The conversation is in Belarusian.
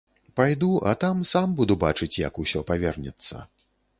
Пайду, а там сам буду бачыць, як усё павернецца.